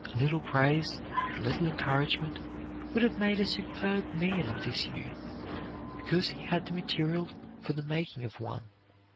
A little praise, a little encouragement, would have made a superb man of this youth, because he had the material for the making of one.